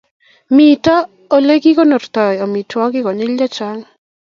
Mitei Ole kekonortoi amitwogik konyil chechang